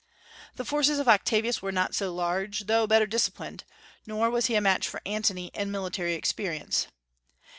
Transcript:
The forces of Octavius were not so large, though better disciplined; nor was he a match for Antony in military experience.